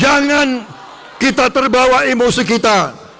jangan kita terbawa emosi kita